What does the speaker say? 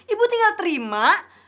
ibu tinggal terima